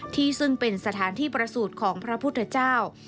ที่ซึ่งเป็นสถานที่ประสูจน์ของพระพุทธเจ้า